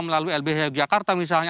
melalui lbh yogyakarta misalnya